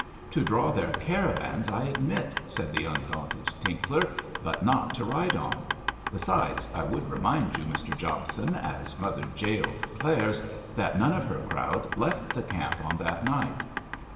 'To draw their caravans I admit,' said the undaunted Tinkler, 'but not to ride on. Besides, I would remind you, Mr Jobson, as Mother Jael declares, that none of her crowd left the camp on that night.'